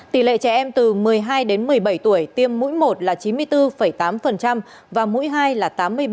tỷ lệ trẻ em từ một mươi hai đến một mươi bảy tuổi tiêm mũi một là chín mươi bốn tám và mũi hai là tám mươi ba